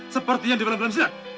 sepertinya di dalam dalam sinar